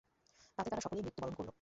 তাতে তারা সকলেই মৃত্যুবরণ করল।